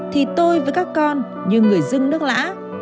thì tôi với các con như người dưng nước lã